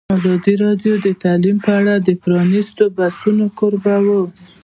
ازادي راډیو د تعلیم په اړه د پرانیستو بحثونو کوربه وه.